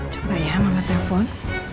coba ya mama telepon